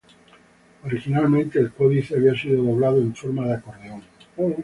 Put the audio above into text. Originalmente, el códice había sido doblado en forma de acordeón.